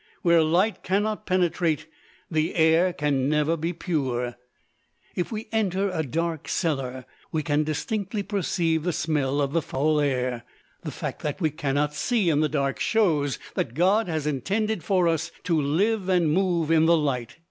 Where light cannot penetrate, the air can never be pure. If we enter a dark cellar, we can distinctly perceive the smell of the foul air. The fact that we cannot see in the dark shows that God has intended us to live and move in the light.